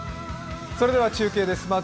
それでは中継です。